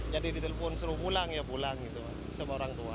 jadi ditelepon suruh pulang ya pulang gitu mas sama orang tua